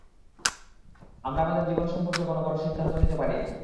আমরা আমাদের জীবন সম্পর্কে, কোনও বড় সিদ্ধান্ত নিতে পারি না।